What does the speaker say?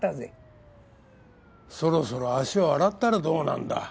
そろそろ足を洗ったらどうなんだ。